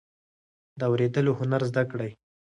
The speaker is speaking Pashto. د اوریدلو هنر زده کړئ.